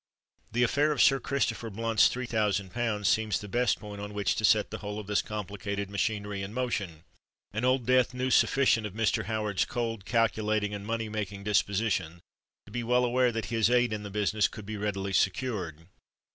The affair of Sir Christopher Blunt's three thousand pounds seemed the best point on which to set the whole of this complicated machinery in motion; and Old Death knew sufficient of Mr. Howard's cold, calculating, and money making disposition to be well aware that his aid in the business could be readily secured.